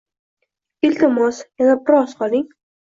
Iltimos, yana biroz qoling.